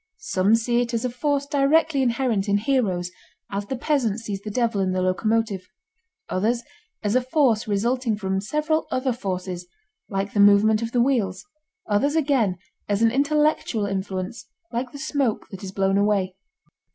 Some see it as a force directly inherent in heroes, as the peasant sees the devil in the locomotive; others as a force resulting from several other forces, like the movement of the wheels; others again as an intellectual influence, like the smoke that is blown away.